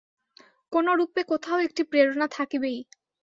কোনরূপে কোথাও একটি প্রেরণা থাকিবেই।